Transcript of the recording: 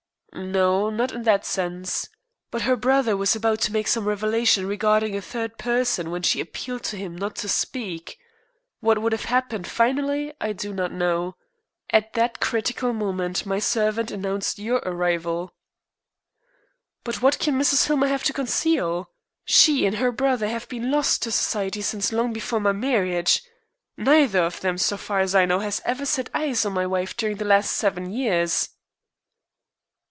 "No, not in that sense. But her brother was about to make some revelation regarding a third person when she appealed to him not to speak. What would have happened finally I do not know. At that critical moment my servant announced your arrival." "But what can Mrs. Hillmer have to conceal? She and her brother have been lost to Society since long before my marriage. Neither of them, so far as I know, has ever set eyes on my wife during the last seven years."